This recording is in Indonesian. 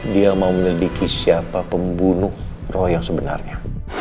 dia mau menyelidiki siapa pembunuh roh yang sebenarnya